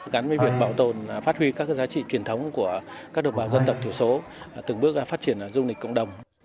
gắn với việc bảo tồn phát huy các giá trị truyền thống của các độc bào dân tộc thiểu số từng bước phát triển dung lịch cộng đồng